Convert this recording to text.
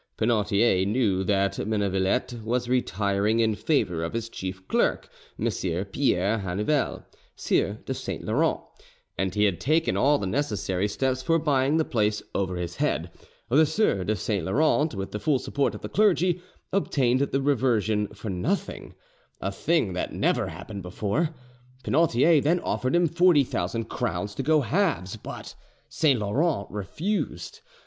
Penautier knew that Mennevillette was retiring in favour of his chief clerk, Messire Pierre Hannyvel, Sieur de Saint Laurent, and he had taken all the necessary, steps for buying the place over his head: the Sieur de Saint Laurent, with the full support of the clergy, obtained the reversion for nothing—a thing that never happened before. Penautier then offered him 40,000 crowns to go halves, but Saint Laurent refused.